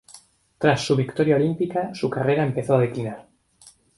Tras su victoria olímpica, su carrera empezó a declinar.